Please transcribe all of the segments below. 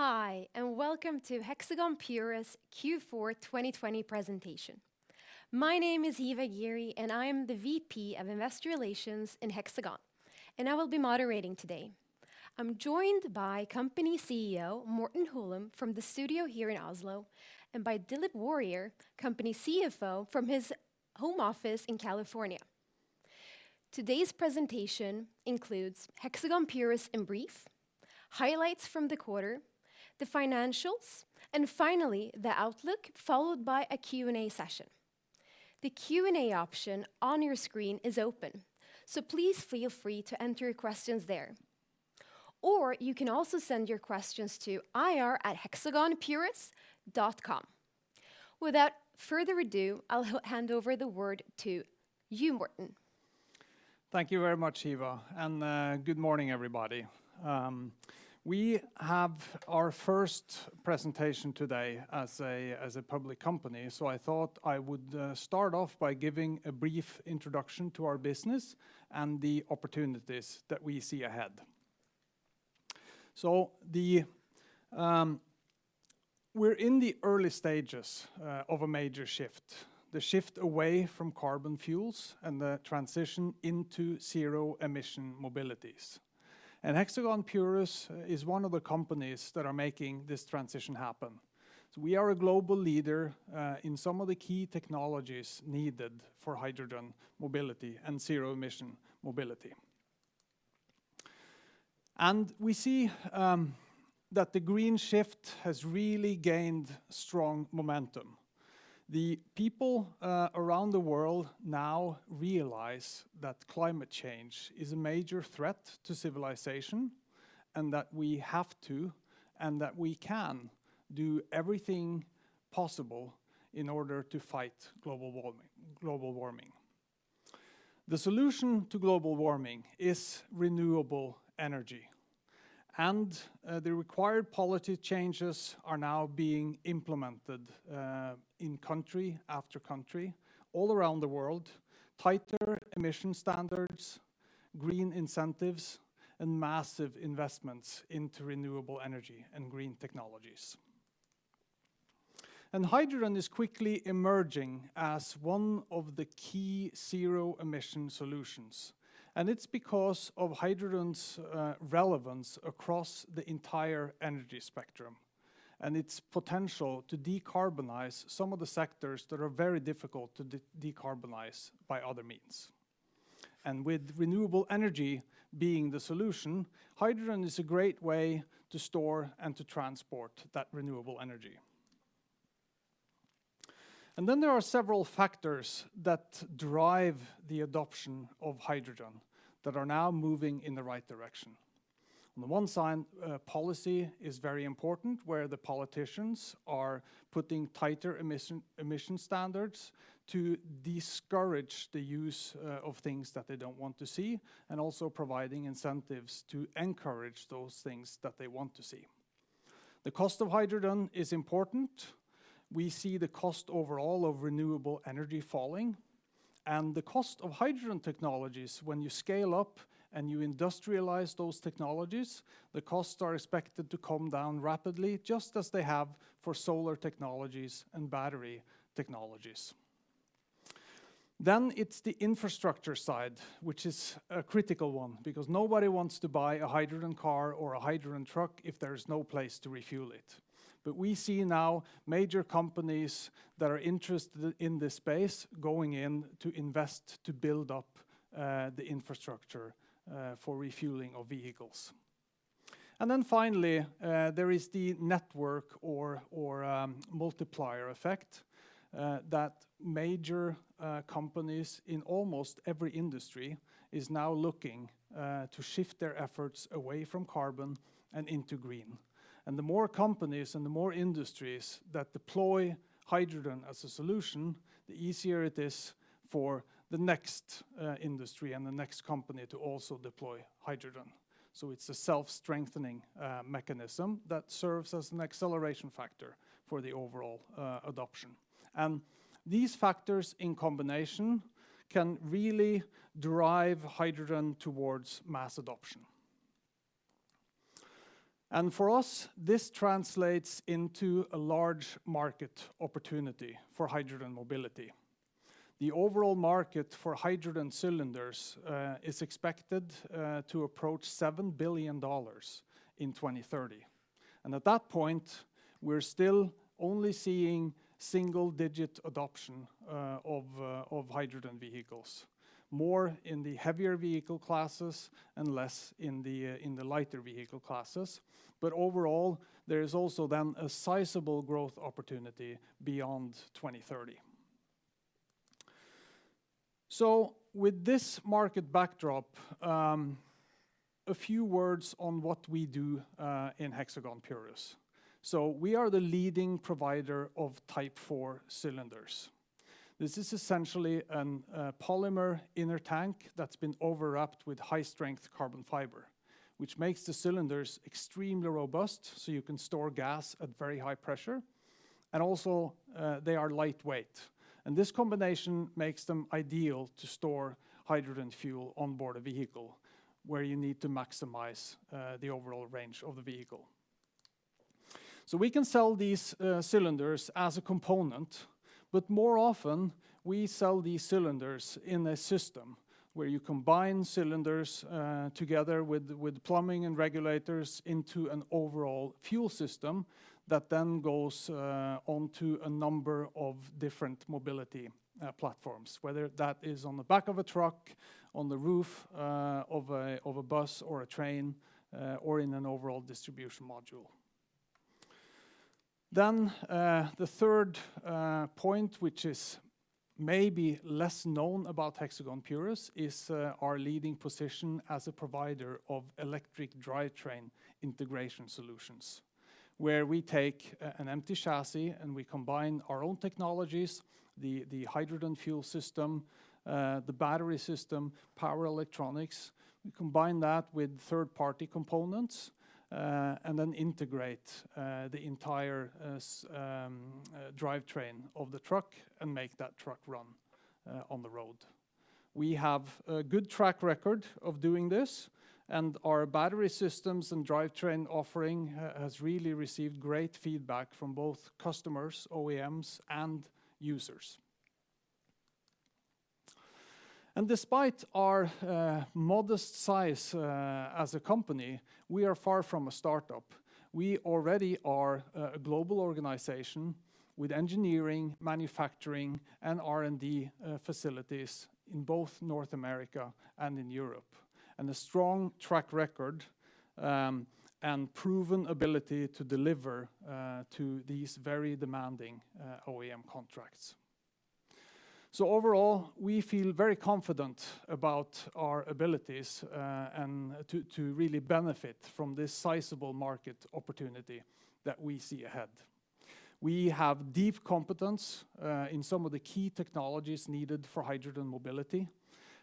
Hi, welcome to Hexagon Purus Q4 2020 presentation. My name is Hiva Ghiri, I am the VP of Investor Relations in Hexagon, I will be moderating today. I'm joined by company CEO, Morten Holum, from the studio here in Oslo, by Dilip Warrier, company CFO from his home office in California. Today's presentation includes Hexagon Purus in brief, highlights from the quarter, the financials, finally, the outlook, followed by a Q&A session. The Q&A option on your screen is open, please feel free to enter your questions there. You can also send your questions to ir@hexagonpurus.com. Without further ado, I'll hand over the word to you, Morten. Thank you very much, Hiva. Good morning, everybody. We have our first presentation today as a public company. I thought I would start off by giving a brief introduction to our business and the opportunities that we see ahead. We're in the early stages of a major shift, the shift away from carbon fuels and the transition into zero emission mobilities. Hexagon Purus is one of the companies that are making this transition happen. We are a global leader in some of the key technologies needed for hydrogen mobility and zero emission mobility. We see that the green shift has really gained strong momentum. The people around the world now realize that climate change is a major threat to civilization, and that we can do everything possible in order to fight global warming. The solution to global warming is renewable energy. The required policy changes are now being implemented in country after country all around the world, tighter emission standards, green incentives, and massive investments into renewable energy and green technologies. Hydrogen is quickly emerging as one of the key zero emission solutions. It's because of hydrogen's relevance across the entire energy spectrum and its potential to decarbonize some of the sectors that are very difficult to decarbonize by other means. With renewable energy being the solution, hydrogen is a great way to store and to transport that renewable energy. Then there are several factors that drive the adoption of hydrogen that are now moving in the right direction. On the one side, policy is very important, where the politicians are putting tighter emission standards to discourage the use of things that they don't want to see, and also providing incentives to encourage those things that they want to see. The cost of hydrogen is important. The cost of hydrogen technologies when you scale up and you industrialize those technologies, the costs are expected to come down rapidly, just as they have for solar technologies and battery technologies. It's the infrastructure side, which is a critical one because nobody wants to buy a hydrogen car or a hydrogen truck if there's no place to refuel it. We see now major companies that are interested in this space going in to invest to build up the infrastructure for refueling of vehicles. Finally, there is the network or multiplier effect that major companies in almost every industry are now looking to shift their efforts away from carbon and into green. The more companies and the more industries that deploy hydrogen as a solution, the easier it is for the next industry and the next company to also deploy hydrogen. It's a self-strengthening mechanism that serves as an acceleration factor for the overall adoption. These factors in combination can really drive hydrogen towards mass adoption. For us, this translates into a large market opportunity for hydrogen mobility. The overall market for hydrogen cylinders is expected to approach $7 billion in 2030. At that point, we're still only seeing single-digit adoption of hydrogen vehicles, more in the heavier vehicle classes and less in the lighter vehicle classes. Overall, there is also a sizable growth opportunity beyond 2030. With this market backdrop, a few words on what we do in Hexagon Purus. We are the leading provider of Type IV cylinders. This is essentially a polymer inner tank that's been overwrapped with high-strength carbon fiber, which makes the cylinders extremely robust, so you can store gas at very high pressure. And also, they are lightweight. This combination makes them ideal to store hydrogen fuel on board a vehicle where you need to maximize the overall range of the vehicle. We can sell these cylinders as a component, but more often we sell these cylinders in a system where you combine cylinders together with plumbing and regulators into an overall fuel system that then goes onto a number of different mobility platforms, whether that is on the back of a truck, on the roof of a bus or a train, or in an overall distribution module. The third point, which is maybe less known about Hexagon Purus, is our leading position as a provider of electric drivetrain integration solutions, where we take an empty chassis and we combine our own technologies, the hydrogen fuel system, the battery system, power electronics. We combine that with third-party components, and then integrate the entire drivetrain of the truck and make that truck run on the road. We have a good track record of doing this. Our battery systems and drivetrain offering has really received great feedback from both customers, OEMs, and users. Despite our modest size as a company, we are far from a startup. We already are a global organization with engineering, manufacturing, and R&D facilities in both North America and in Europe, and a strong track record and proven ability to deliver to these very demanding OEM contracts. Overall, we feel very confident about our abilities and to really benefit from this sizable market opportunity that we see ahead. We have deep competence in some of the key technologies needed for hydrogen mobility.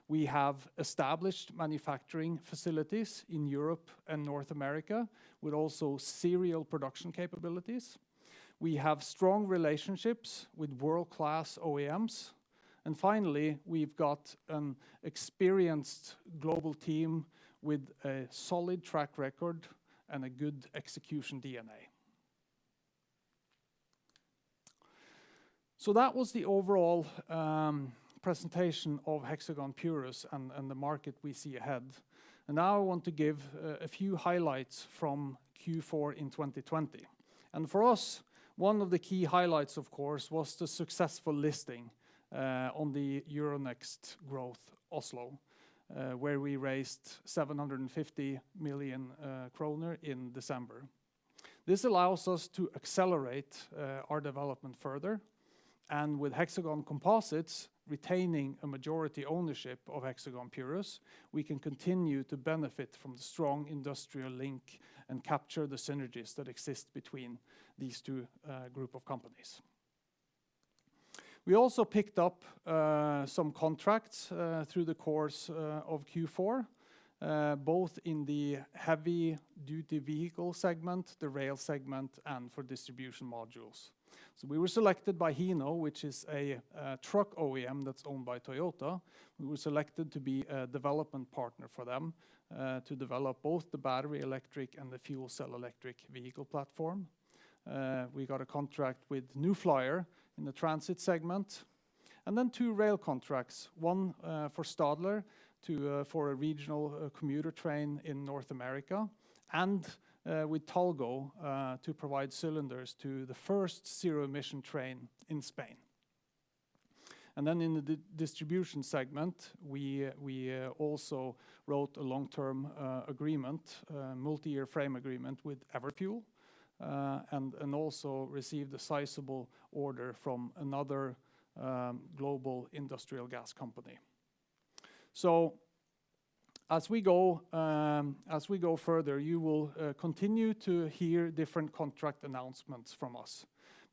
We have established manufacturing facilities in Europe and North America with also serial production capabilities. We have strong relationships with world-class OEMs. Finally, we've got an experienced global team with a solid track record and a good execution DNA. That was the overall presentation of Hexagon Purus and the market we see ahead. Now I want to give a few highlights from Q4 in 2020. For us, one of the key highlights, of course, was the successful listing on the Euronext Growth Oslo, where we raised 750 million kroner in December. This allows us to accelerate our development further. With Hexagon Composites retaining a majority ownership of Hexagon Purus, we can continue to benefit from the strong industrial link and capture the synergies that exist between these two group of companies. We also picked up some contracts through the course of Q4, both in the heavy-duty vehicle segment, the rail segment, and for distribution modules. We were selected by Hino, which is a truck OEM that's owned by Toyota. We were selected to be a development partner for them to develop both the battery electric and the Fuel Cell Electric Vehicle platform. We got a contract with New Flyer in the transit segment. Two rail contracts, one for Stadler for a regional commuter train in North America, and with Talgo to provide cylinders to the first zero-emission train in Spain. In the distribution segment, we also wrote a long-term agreement, a multi-year frame agreement with Everfuel, and also received a sizable order from another global industrial gas company. As we go further, you will continue to hear different contract announcements from us.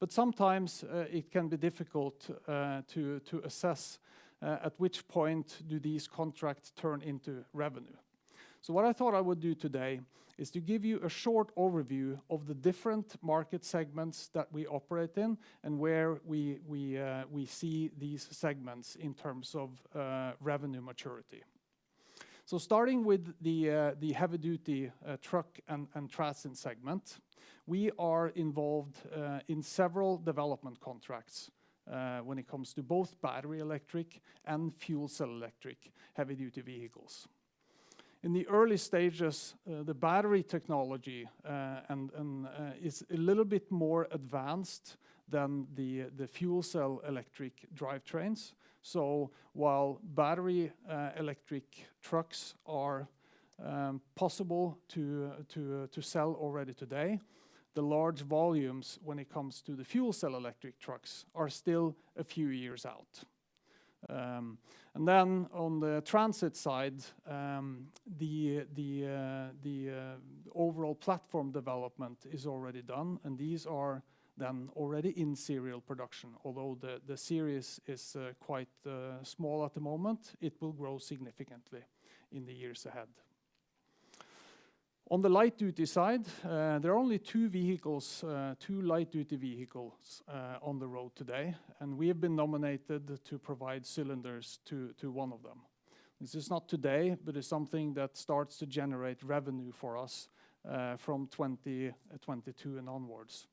Sometimes it can be difficult to assess at which point do these contracts turn into revenue. What I thought I would do today is to give you a short overview of the different market segments that we operate in and where we see these segments in terms of revenue maturity. Starting with the heavy-duty truck and transit segment, we are involved in several development contracts when it comes to both battery electric and fuel cell electric heavy-duty vehicles. In the early stages, the battery technology is a little bit more advanced than the fuel cell electric drivetrains. While battery electric trucks are possible to sell already today, the large volumes when it comes to the fuel cell electric trucks are still a few years out. On the transit side, the overall platform development is already done, and these are then already in serial production. Although the series is quite small at the moment, it will grow significantly in the years ahead. On the light-duty side, there are only two light-duty vehicles on the road today, and we have been nominated to provide cylinders to one of them. This is not today, but it's something that starts to generate revenue for us from 2022 and onwards.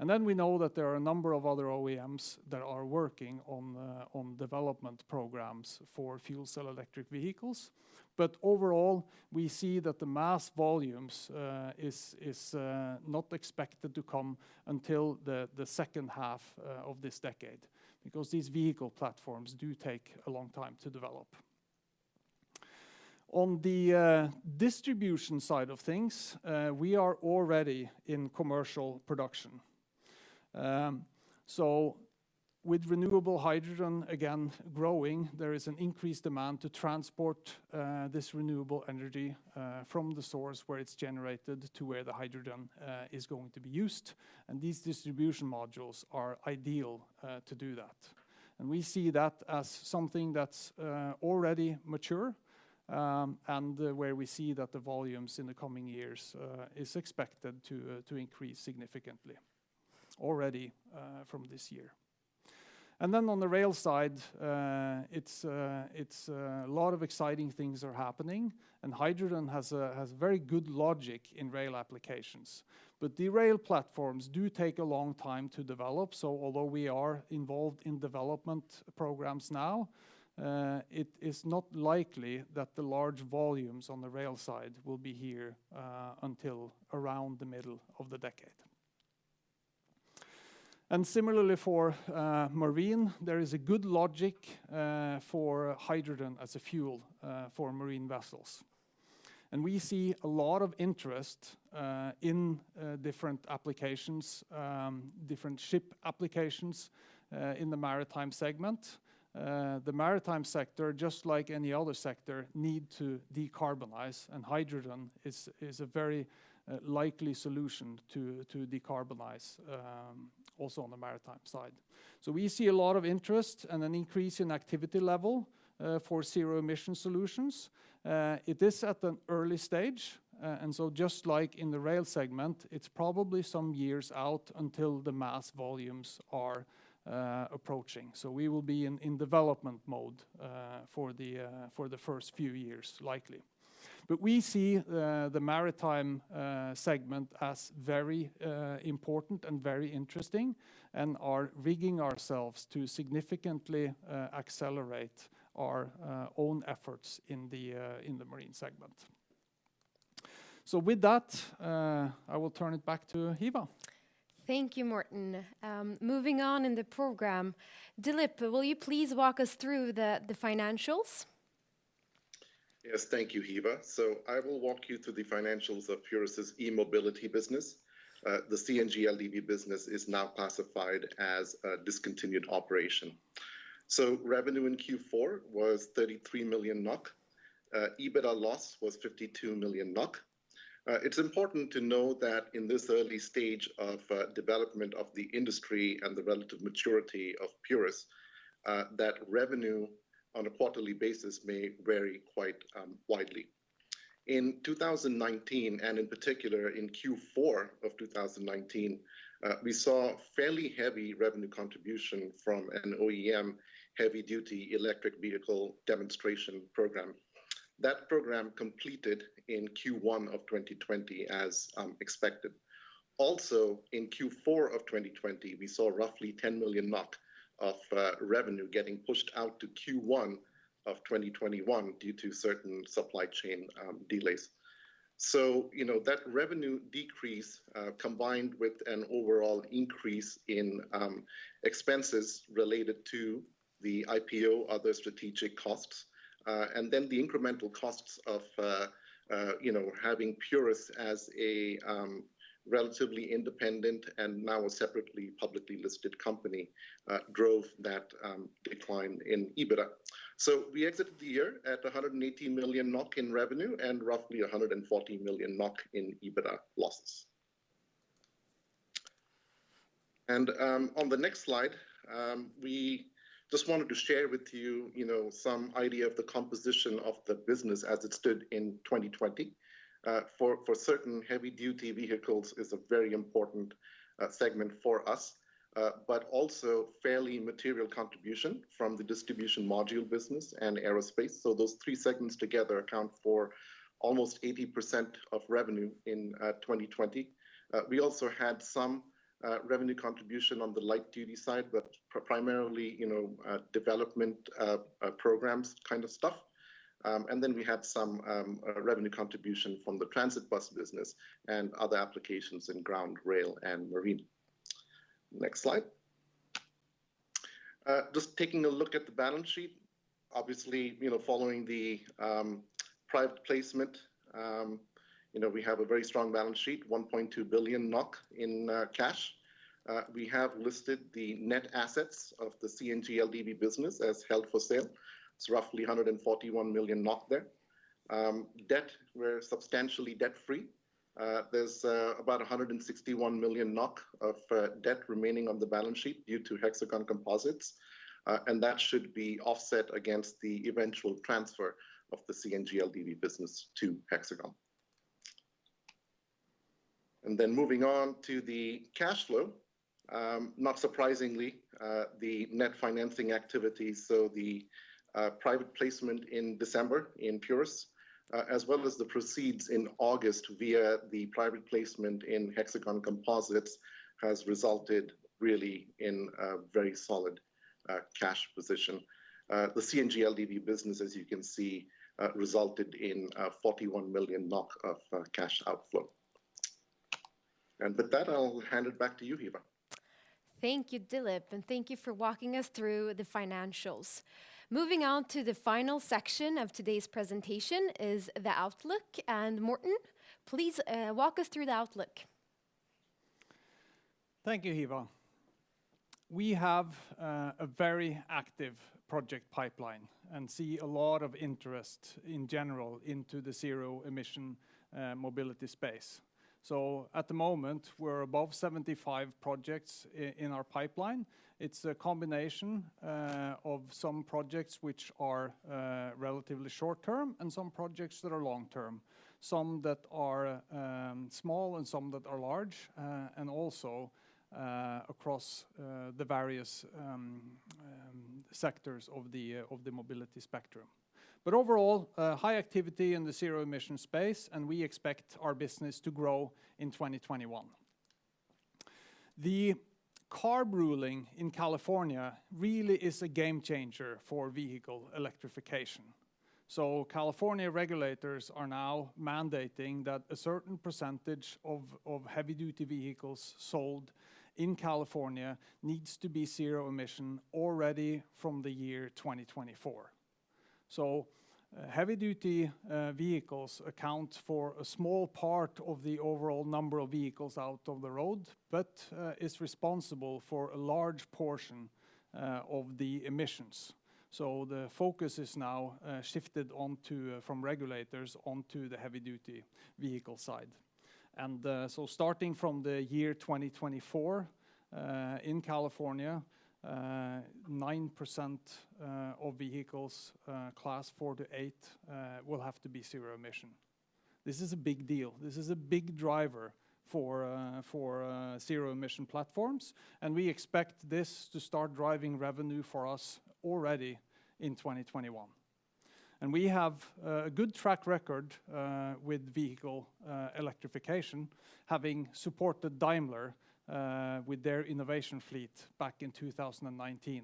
We know that there are a number of other OEMs that are working on development programs for fuel cell electric vehicles. Overall, we see that the mass volumes is not expected to come until the second half of this decade because these vehicle platforms do take a long time to develop. On the distribution side of things, we are already in commercial production. With renewable hydrogen, again, growing, there is an increased demand to transport this renewable energy from the source where it's generated to where the hydrogen is going to be used, and these distribution modules are ideal to do that. We see that as something that's already mature, and where we see that the volumes in the coming years is expected to increase significantly already from this year. On the rail side, a lot of exciting things are happening, and hydrogen has very good logic in rail applications. The rail platforms do take a long time to develop. Although we are involved in development programs now, it is not likely that the large volumes on the rail side will be here until around the middle of the decade. Similarly for marine, there is a good logic for hydrogen as a fuel for marine vessels. We see a lot of interest in different applications, different ship applications in the maritime segment. The maritime sector, just like any other sector, need to decarbonize. Hydrogen is a very likely solution to decarbonize also on the maritime side. We see a lot of interest and an increase in activity level for zero-emission solutions. It is at an early stage. Just like in the rail segment, it's probably some years out until the mass volumes are approaching. We will be in development mode for the first few years likely. We see the maritime segment as very important and very interesting and are rigging ourselves to significantly accelerate our own efforts in the marine segment. With that, I will turn it back to Hiva. Thank you, Morten. Moving on in the program, Dilip, will you please walk us through the financials? Yes, thank you, Hiva. I will walk you through the financials of Purus' e-mobility business. The CNG LDV business is now classified as a discontinued operation. Revenue in Q4 was 33 million NOK. EBITDA loss was 52 million NOK. It's important to know that in this early stage of development of the industry and the relative maturity of Purus, that revenue on a quarterly basis may vary quite widely. In 2019, and in particular in Q4 of 2019, we saw fairly heavy revenue contribution from an OEM heavy-duty electric vehicle demonstration program. That program completed in Q1 of 2020 as expected. Also, in Q4 of 2020, we saw roughly 10 million of revenue getting pushed out to Q1 of 2021 due to certain supply chain delays. That revenue decrease, combined with an overall increase in expenses related to the IPO, other strategic costs, and then the incremental costs of having Purus as a relatively independent and now a separately publicly listed company, drove that decline in EBITDA. We exited the year at 180 million NOK in revenue and roughly 140 million NOK in EBITDA losses. On the next slide, we just wanted to share with you some idea of the composition of the business as it stood in 2020. For certain heavy-duty vehicles is a very important segment for us, but also fairly material contribution from the distribution module business and aerospace. Those three segments together account for almost 80% of revenue in 2020. We also had some revenue contribution on the light-duty side, but primarily development programs kind of stuff. We had some revenue contribution from the transit bus business and other applications in ground, rail, and marine. Next slide. Just taking a look at the balance sheet. Obviously, following the private placement, we have a very strong balance sheet, 1.2 billion NOK in cash. We have listed the net assets of the CNG LDV business as held for sale. It's roughly 141 million NOK there. Debt, we're substantially debt-free. There's about 161 million NOK of debt remaining on the balance sheet due to Hexagon Composites, and that should be offset against the eventual transfer of the CNG LDV business to Hexagon. Moving on to the cash flow, not surprisingly, the net financing activity, so the private placement in December in Purus, as well as the proceeds in August via the private placement in Hexagon Composites, has resulted really in a very solid cash position. The CNG LDV business, as you can see, resulted in 41 million NOK of cash outflow. With that, I'll hand it back to you, Hiva. Thank you, Dilip, and thank you for walking us through the financials. Moving on to the final section of today's presentation is the outlook. Morten, please walk us through the outlook. Thank you, Hiva. We have a very active project pipeline and see a lot of interest in general into the zero-emission mobility space. At the moment, we're above 75 projects in our pipeline. It's a combination of some projects which are relatively short-term and some projects that are long-term, some that are small and some that are large, and also across the various sectors of the mobility spectrum. Overall, high activity in the zero-emission space, and we expect our business to grow in 2021. The CARB ruling in California really is a game changer for vehicle electrification. California regulators are now mandating that a certain percentage of heavy-duty vehicles sold in California needs to be zero-emission already from the year 2024. Heavy-duty vehicles account for a small part of the overall number of vehicles out on the road, but is responsible for a large portion of the emissions. The focus is now shifted from regulators onto the heavy-duty vehicle side. Starting from the year 2024, in California, 9% of vehicles, Class 4-8, will have to be zero-emission. This is a big deal. This is a big driver for zero-emission platforms, and we expect this to start driving revenue for us already in 2021. We have a good track record with vehicle electrification, having supported Daimler with their innovation fleet back in 2019.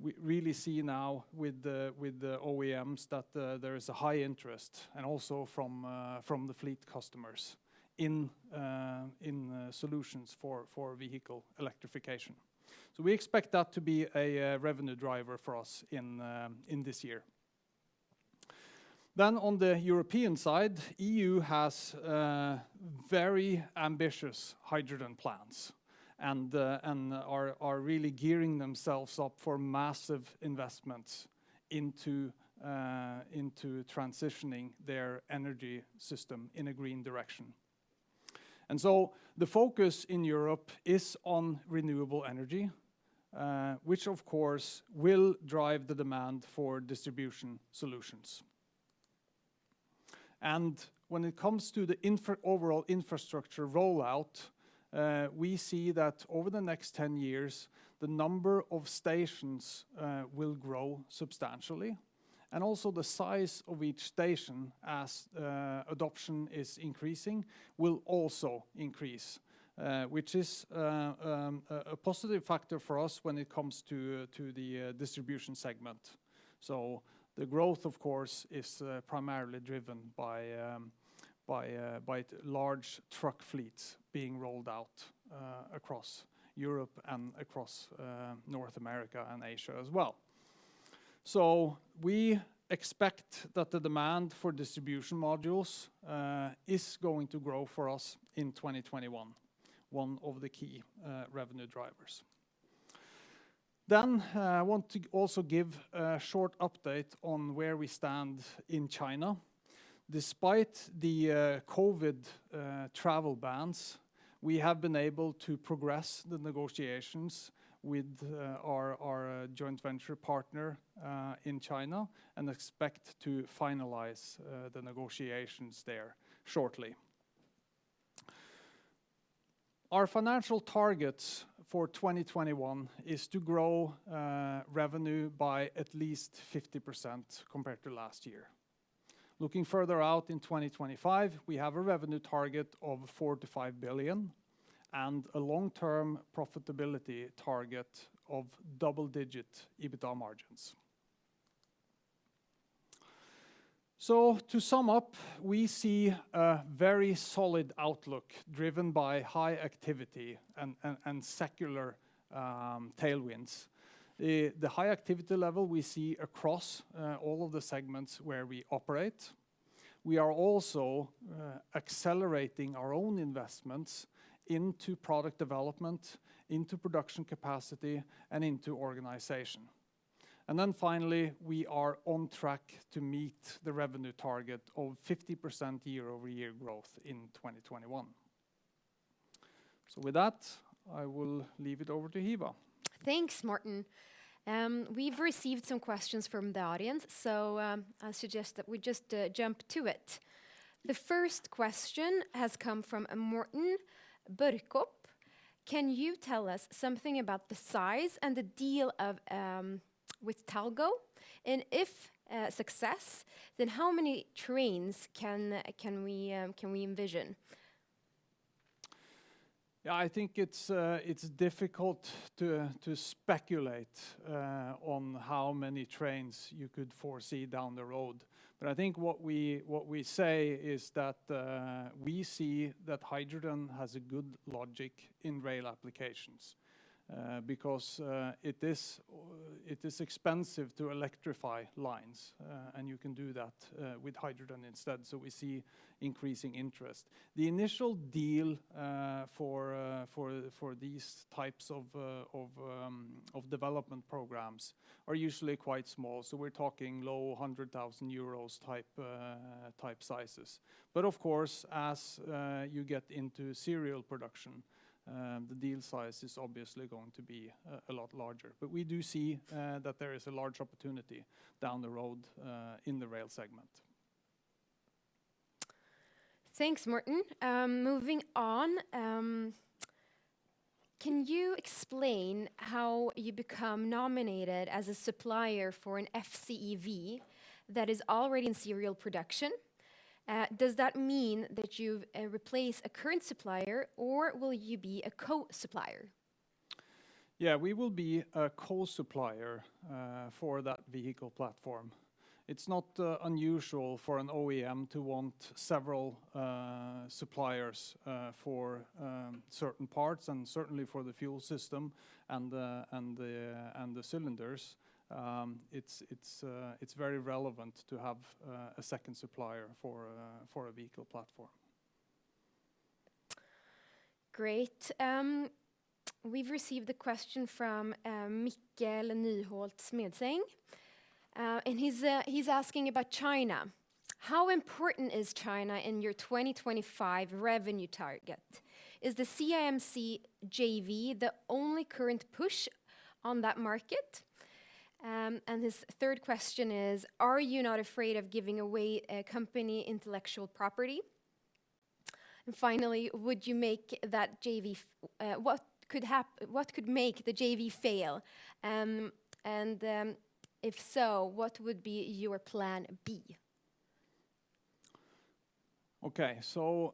We really see now with the OEMs that there is a high interest, and also from the fleet customers in solutions for vehicle electrification. We expect that to be a revenue driver for us in this year. On the European side, EU has very ambitious hydrogen plans and are really gearing themselves up for massive investments into transitioning their energy system in a green direction. The focus in Europe is on renewable energy, which of course will drive the demand for distribution solutions. When it comes to the overall infrastructure rollout, we see that over the next 10 years, the number of stations will grow substantially. Also the size of each station as adoption is increasing, will also increase, which is a positive factor for us when it comes to the distribution segment. The growth, of course, is primarily driven by large truck fleets being rolled out across Europe and across North America and Asia as well. We expect that the demand for distribution modules is going to grow for us in 2021, one of the key revenue drivers. I want to also give a short update on where we stand in China. Despite the COVID travel bans, we have been able to progress the negotiations with our joint venture partner in China and expect to finalize the negotiations there shortly. Our financial targets for 2021 is to grow revenue by at least 50% compared to last year. Looking further out in 2025, we have a revenue target of 4 billion to 5 billion and a long-term profitability target of double-digit EBITDA margins. To sum up, we see a very solid outlook driven by high activity and secular tailwinds. The high activity level we see across all of the segments where we operate. We are also accelerating our own investments into product development, into production capacity, and into organization. Finally, we are on track to meet the revenue target of 50% year-over-year growth in 2021. With that, I will leave it over to Hiva. Thanks, Morten. We've received some questions from the audience. I suggest that we just jump to it. The first question has come from Morten Bukspan. Can you tell us something about the size and the deal with Talgo? If success, then how many trains can we envision? I think it's difficult to speculate on how many trains you could foresee down the road, but I think what we say is that we see that hydrogen has a good logic in rail applications because it is expensive to electrify lines, and you can do that with hydrogen instead. We see increasing interest. The initial deal for these types of development programs are usually quite small, so we're talking low 100,000 euros type sizes. Of course, as you get into serial production, the deal size is obviously going to be a lot larger. We do see that there is a large opportunity down the road in the rail segment. Thanks, Morten. Moving on. Can you explain how you become nominated as a supplier for an FCEV that is already in serial production? Does that mean that you replace a current supplier, or will you be a co-supplier? Yeah, we will be a co-supplier for that vehicle platform. It's not unusual for an OEM to want several suppliers for certain parts and certainly for the fuel system and the cylinders. It's very relevant to have a second supplier for a vehicle platform. Great. We've received a question from Mikkel Nyholt-Smedegaard, and he's asking about China. How important is China in your 2025 revenue target? Is the CIMC JV the only current push on that market? His third question is, are you not afraid of giving away company intellectual property? Finally, what could make the JV fail? If so, what would be your plan B? Okay,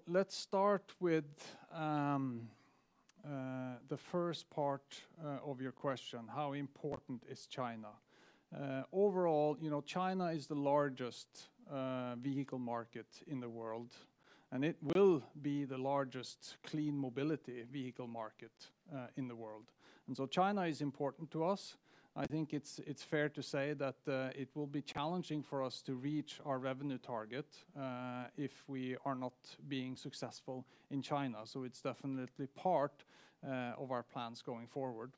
let's start with the first part of your question, how important is China? Overall, China is the largest vehicle market in the world, and it will be the largest clean mobility vehicle market in the world. China is important to us. I think it's fair to say that it will be challenging for us to reach our revenue target if we are not being successful in China. It's definitely part of our plans going forward.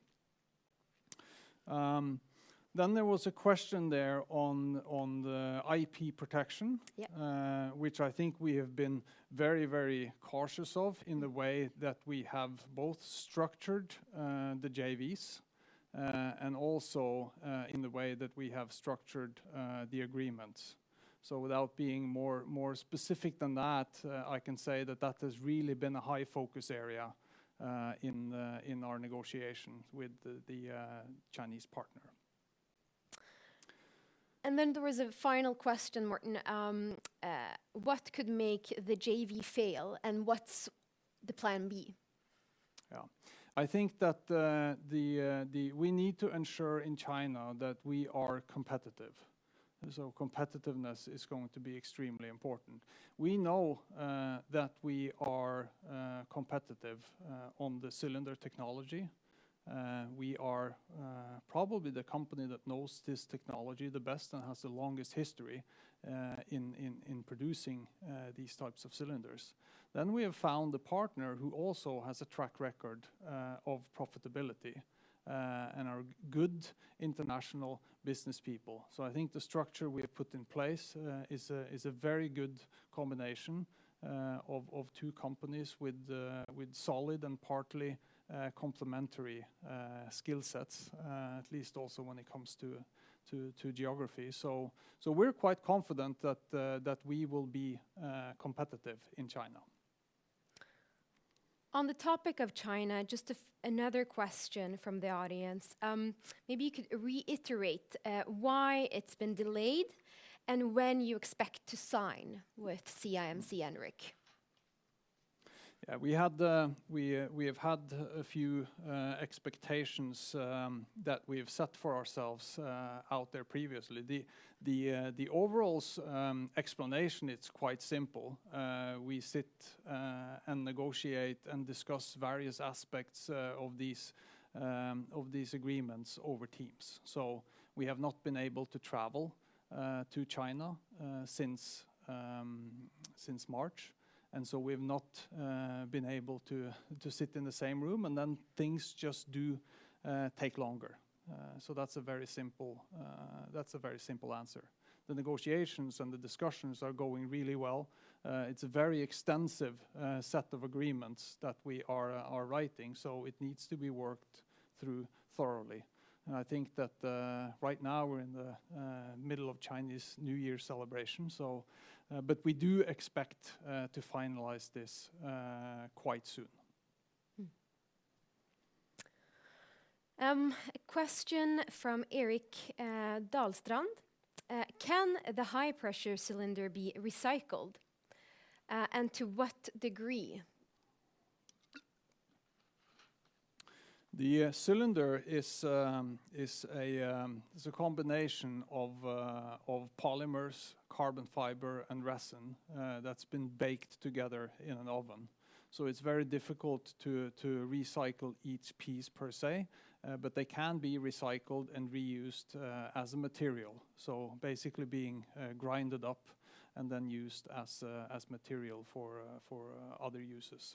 There was a question there on the IP protection. Yeah which I think we have been very cautious of in the way that we have both structured the JVs, and also in the way that we have structured the agreements. Without being more specific than that, I can say that has really been a high focus area in our negotiations with the Chinese partner. There was a final question, Morten. What could make the JV fail, and what's the plan B? Yeah. I think that we need to ensure in China that we are competitive. Competitiveness is going to be extremely important. We know that we are competitive on the cylinder technology. We are probably the company that knows this technology the best and has the longest history in producing these types of cylinders. We have found a partner who also has a track record of profitability and are good international business people. I think the structure we have put in place is a very good combination of two companies with solid and partly complementary skill sets, at least also when it comes to geography. We're quite confident that we will be competitive in China. On the topic of China, just another question from the audience. Maybe you could reiterate why it's been delayed and when you expect to sign with CIMC Enric. Yeah, we have had a few expectations that we have set for ourselves out there previously. The overall explanation, it's quite simple. We sit and negotiate and discuss various aspects of these agreements over Teams. We have not been able to travel to China since March. We have not been able to sit in the same room, things just do take longer. That's a very simple answer. The negotiations and the discussions are going really well. It's a very extensive set of agreements that we are writing, so it needs to be worked through thoroughly. I think that right now we're in the middle of Chinese New Year celebration. We do expect to finalize this quite soon. A question from Erik Dahlström. Can the high-pressure cylinder be recycled, and to what degree? The cylinder is a combination of polymers, carbon fiber, and resin that's been baked together in an oven. It's very difficult to recycle each piece per se, but they can be recycled and reused as a material. Basically being grinded up and then used as material for other uses.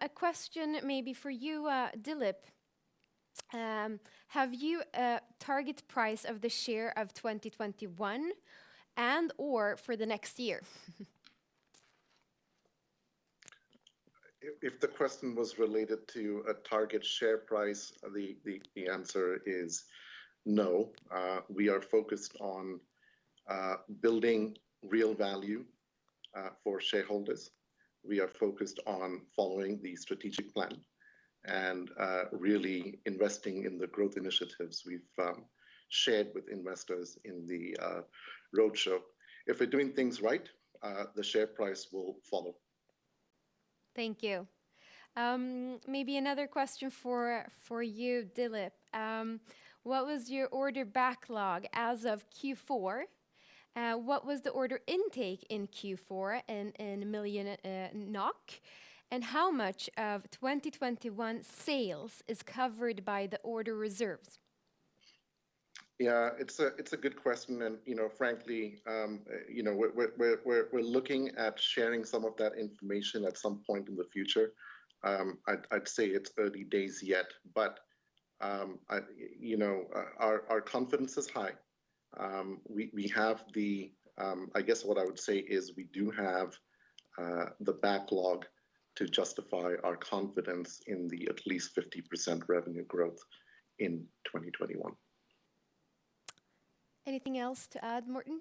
A question maybe for you, Dilip. Have you a target price of the share of 2021 and/or for the next year? If the question was related to a target share price, the answer is no. We are focused on building real value for shareholders. We are focused on following the strategic plan and really investing in the growth initiatives we've shared with investors in the roadshow. If we're doing things right, the share price will follow. Thank you. Maybe another question for you, Dilip. What was your order backlog as of Q4? What was the order intake in Q4 in million NOK? How much of 2021 sales is covered by the order reserves? Yeah, it's a good question. Frankly, we're looking at sharing some of that information at some point in the future. I'd say it's early days yet, but our confidence is high. I guess what I would say is we do have the backlog to justify our confidence in the at least 50% revenue growth in 2021. Anything else to add, Morten?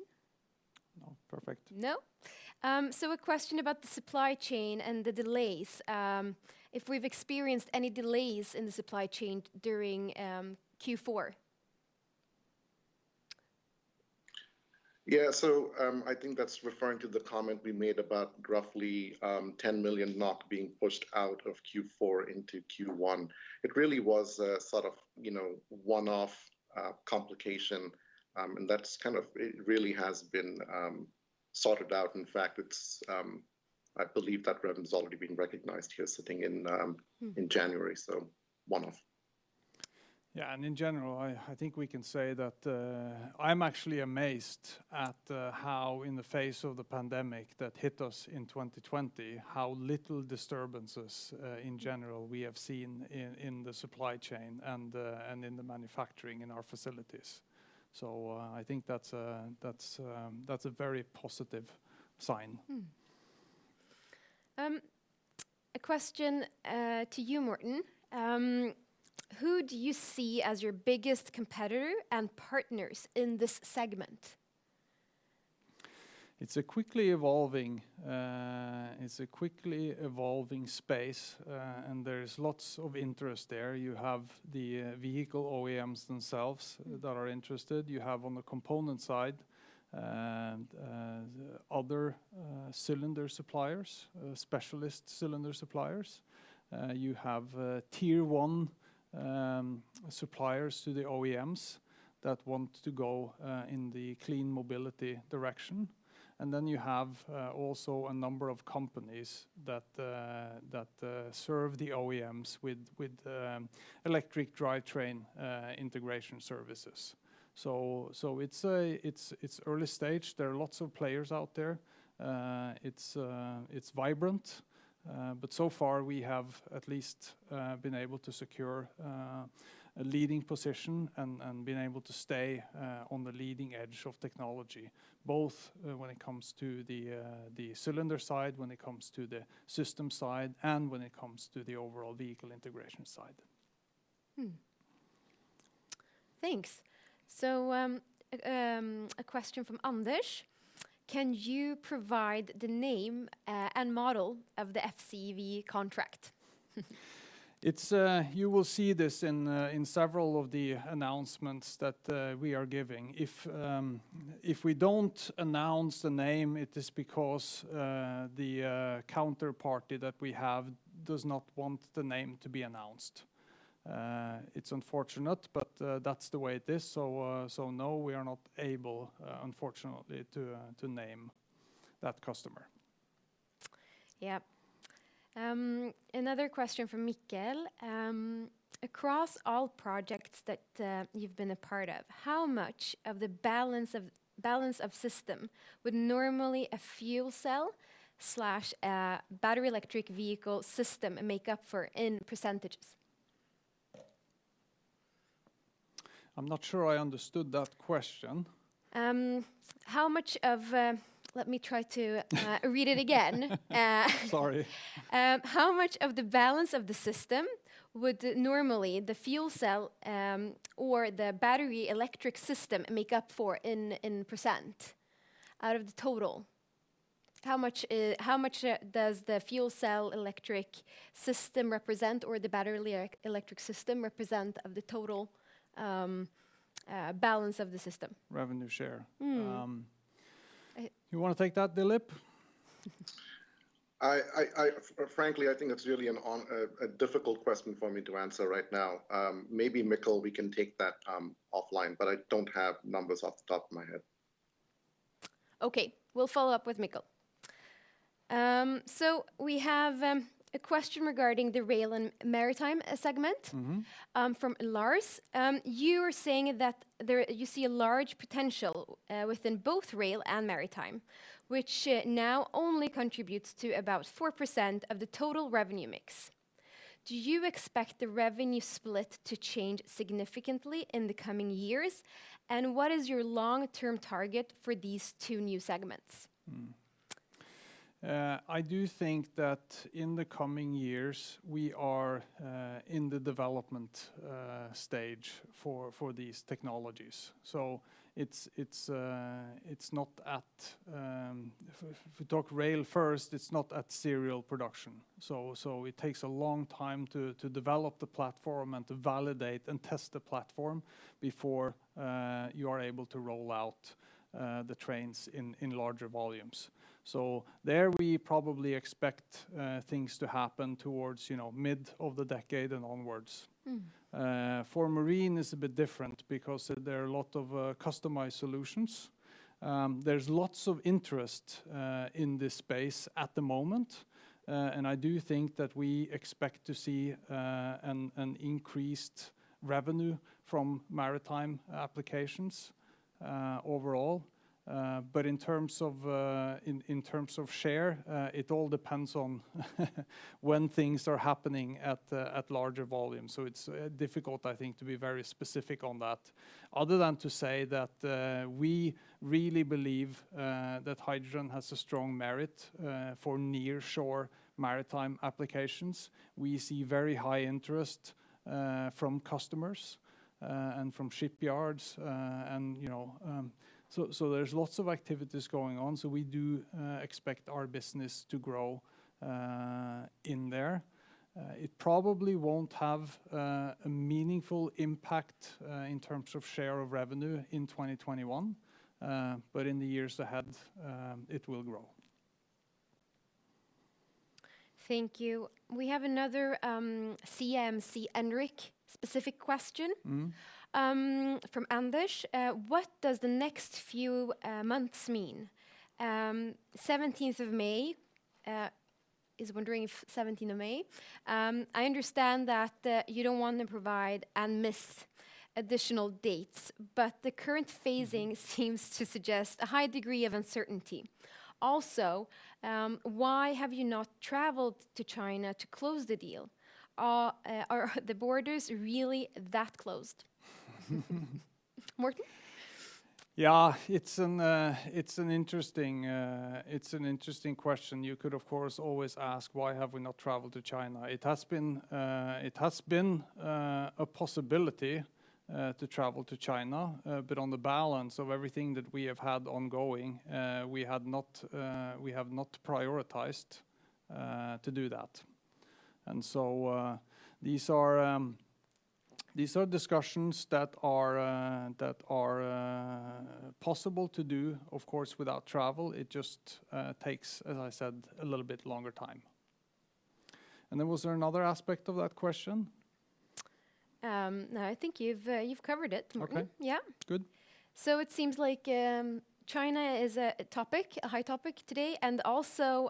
No, perfect. No? A question about the supply chain and the delays. If we've experienced any delays in the supply chain during Q4? I think that's referring to the comment we made about roughly 10 million NOK being pushed out of Q4 into Q1. It really was a one-off complication. It really has been sorted out. In fact, I believe that revenue's already been recognized here, sitting in January. One-off. In general, I think we can say that I'm actually amazed at how in the face of the pandemic that hit us in 2020, how little disturbances, in general, we have seen in the supply chain and in the manufacturing in our facilities. I think that's a very positive sign. A question to you, Morten. Who do you see as your biggest competitor and partners in this segment? It's a quickly evolving space, and there is lots of interest there. You have the vehicle OEMs themselves that are interested. You have on the component side, other cylinder suppliers, specialist cylinder suppliers. You have tier one suppliers to the OEMs that want to go in the clean mobility direction. Then you have also a number of companies that serve the OEMs with electric drivetrain integration services. It's early stage. There are lots of players out there. It's vibrant. So far, we have at least been able to secure a leading position and been able to stay on the leading edge of technology, both when it comes to the cylinder side, when it comes to the system side, and when it comes to the overall vehicle integration side. Thanks. A question from Anders. Can you provide the name and model of the FCV contract? You will see this in several of the announcements that we are giving. If we don't announce the name, it is because the counterparty that we have does not want the name to be announced. It's unfortunate, that's the way it is. No, we are not able, unfortunately, to name that customer. Yeah. Another question from Mikkel. Across all projects that you've been a part of, how much of the balance of system would normally a fuel cell/battery electric vehicle system make up for in percentage? I'm not sure I understood that question. Let me try to read it again. Sorry. How much of the balance of the system would normally the fuel cell, or the battery electric system make up for in percentage out of the total? How much does the fuel cell electric system represent, or the battery electric system represent of the total balance of the system? Revenue share. You want to take that, Dilip? Frankly, I think that's really a difficult question for me to answer right now. Maybe Mikkel, we can take that offline, but I don't have numbers off the top of my head. Okay. We'll follow up with Mikkel. We have a question regarding the rail and maritime segment. from Lars. You were saying that you see a large potential within both rail and maritime, which now only contributes to about 4% of the total revenue mix. Do you expect the revenue split to change significantly in the coming years? What is your long-term target for these two new segments? I do think that in the coming years, we are in the development stage for these technologies. If we talk rail first, it's not at serial production. It takes a long time to develop the platform and to validate and test the platform before you are able to roll out the trains in larger volumes. There, we probably expect things to happen towards mid of the decade and onwards. For marine, it's a bit different because there are a lot of customized solutions. I do think that we expect to see an increased revenue from maritime applications overall. In terms of share, it all depends on when things are happening at larger volume. It's difficult, I think, to be very specific on that, other than to say that we really believe that hydrogen has a strong merit for near-shore maritime applications. We see very high interest from customers and from shipyards. There's lots of activities going on, so we do expect our business to grow in there. It probably won't have a meaningful impact in terms of share of revenue in 2021. In the years ahead, it will grow. Thank you. We have another CIMC Enric specific question. from Anders. What does the next few months mean? 17th of May. Is wondering if 17th of May. I understand that you don't want to provide and miss additional dates, but the current phasing seems to suggest a high degree of uncertainty. Also, why have you not traveled to China to close the deal? Are the borders really that closed? Morten? Yeah. It's an interesting question. You could, of course, always ask why have we not traveled to China. It has been a possibility to travel to China. On the balance of everything that we have had ongoing, we have not prioritized to do that. These are discussions that are possible to do, of course, without travel. It just takes, as I said, a little bit longer time. Was there another aspect of that question? No, I think you've covered it, Morten. Okay. Yeah. Good. It seems like China is a topic, a high topic today, and also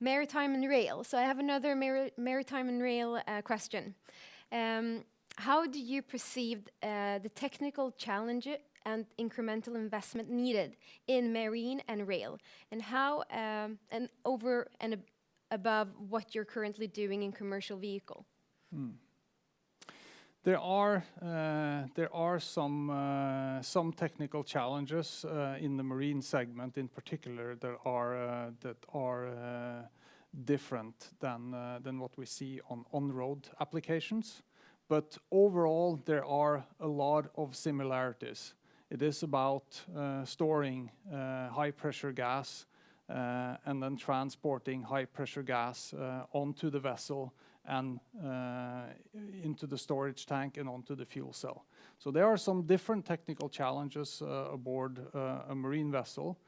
maritime and rail. I have another maritime and rail question. How do you perceive the technical challenge and incremental investment needed in marine and rail? Over and above what you're currently doing in commercial vehicle? There are some technical challenges in the marine segment in particular that are different than what we see on road applications. Overall, there are a lot of similarities. It is about storing high pressure gas, and then transporting high pressure gas onto the vessel and into the storage tank and onto the fuel cell. There are some different technical challenges aboard a marine vessel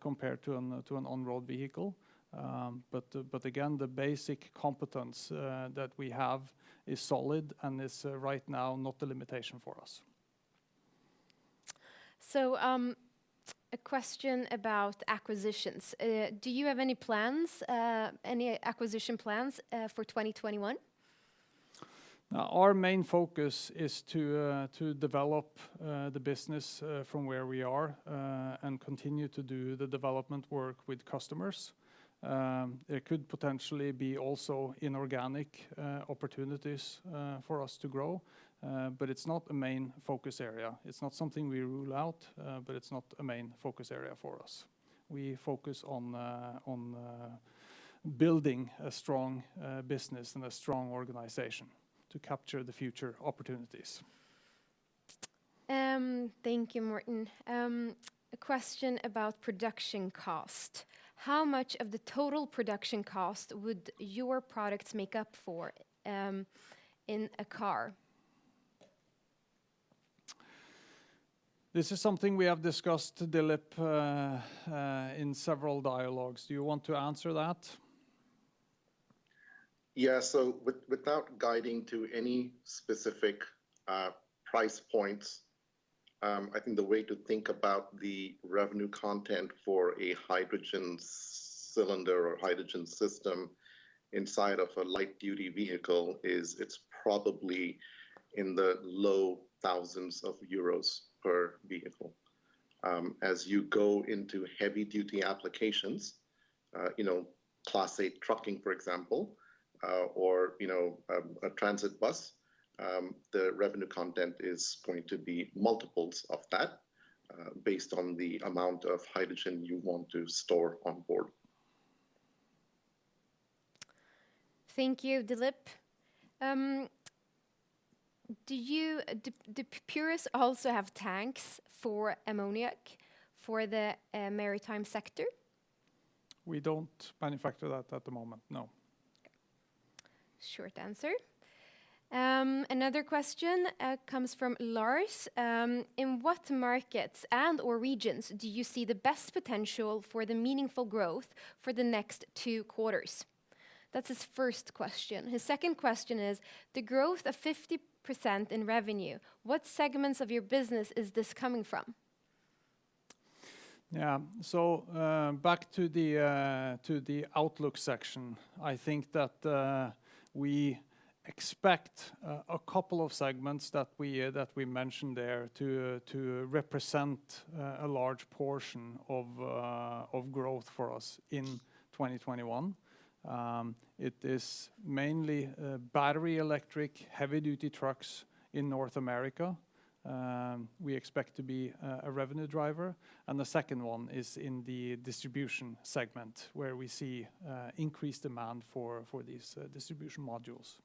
compared to an on-road vehicle. Again, the basic competence that we have is solid and is right now not a limitation for us. A question about acquisitions. Do you have any acquisition plans for 2021? Our main focus is to develop the business from where we are and continue to do the development work with customers. There could potentially be also inorganic opportunities for us to grow, but it's not a main focus area. It's not something we rule out, but it's not a main focus area for us. We focus on building a strong business and a strong organization to capture the future opportunities. Thank you, Morten. A question about production cost. How much of the total production cost would your products make up for in a car? This is something we have discussed, Dilip, in several dialogues. Do you want to answer that? Yeah. Without guiding to any specific price points, I think the way to think about the revenue content for a hydrogen cylinder or hydrogen system inside of a light-duty vehicle is it's probably in the low thousands of EUR per vehicle. As you go into heavy-duty applications, Class 8 trucking, for example, or a transit bus, the revenue content is going to be multiples of that based on the amount of hydrogen you want to store on board. Thank you, Dilip. Do Purus also have tanks for ammonia for the maritime sector? We don't manufacture that at the moment, no. Short answer. Another question comes from Lars. In what markets and/or regions do you see the best potential for the meaningful growth for the next two quarters? That's his first question. His second question is, the growth of 50% in revenue, what segments of your business is this coming from? Yeah. Back to the outlook section. I think that we expect a couple of segments that we mentioned there to represent a large portion of growth for us in 2021. It is mainly battery electric heavy-duty trucks in North America we expect to be a revenue driver. The second one is in the distribution segment where we see increased demand for these distribution modules.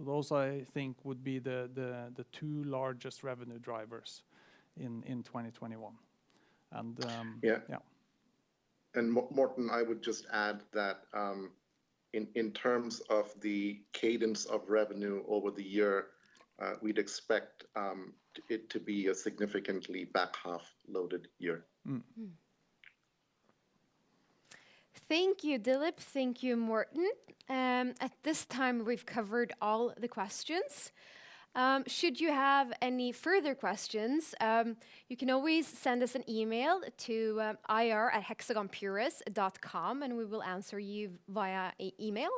Those, I think, would be the two largest revenue drivers in 2021. Yeah. Yeah. Morten, I would just add that in terms of the cadence of revenue over the year, we'd expect it to be a significantly back-half loaded year. Thank you, Dilip. Thank you, Morten. At this time, we've covered all the questions. Should you have any further questions, you can always send us an email to ir@hexagonpurus.com and we will answer you via email.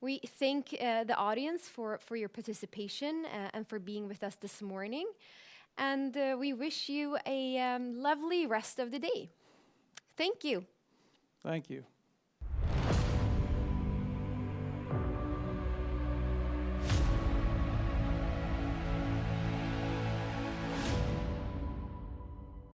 We thank the audience for your participation and for being with us this morning, and we wish you a lovely rest of the day. Thank you. Thank you.